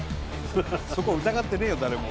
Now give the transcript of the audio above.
そこ疑ってねえよ誰も。